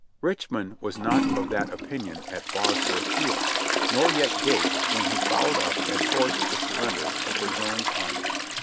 Richmond was not of that opinion at Bosworth fields ; nor yet Gates, when he followed up and forced the surrender of Burgoyne's army.